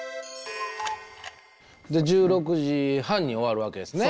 で１６時半に終わるわけですね。